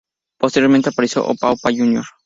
Posteriormente apareció Opa Opa Jr.